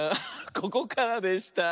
ここからでした。